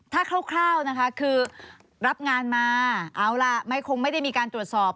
ถ้าคร่าวนะคะคือรับงานมาเอาล่ะไม่คงไม่ได้มีการตรวจสอบ